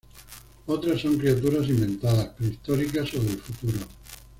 Otras son criaturas inventadas, prehistóricas o del futuro.